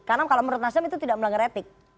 karena kalau menurut nasdem itu tidak melanggar etik